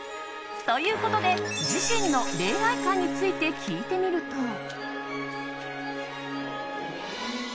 ということで自身の恋愛観について聞いてみると。